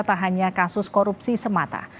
tak hanya kasus korupsi semata